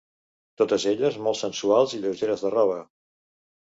Totes elles molt sensuals i lleugeres de roba.